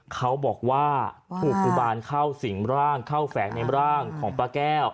เขาบอกว่าถูกกุบาลเข้าสิ่งร่างเข้าแฝงในร่างของป้าแก้ว